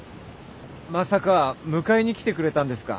まさか迎えに来てくれたんですか？